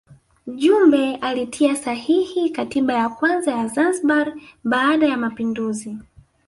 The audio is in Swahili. Jumbe alitia sahihi katiba ya kwanza ya Zanzibar baada ya mapinduzi